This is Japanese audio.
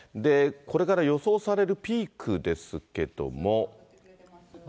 これから予想されるピークですけども。